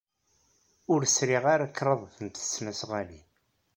Ur sriɣ ara kraḍt n tesnasɣalin.